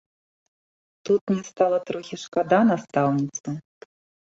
Тут мне стала трохі шкада настаўніцу.